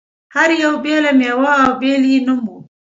هر یوې بېله مېوه او بېل یې نوم و.